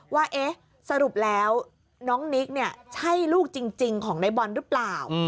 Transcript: ว่าสรุปแล้วน้องนิกเนี่ยใช่ลูกจริงของในบอลหรือเปล่า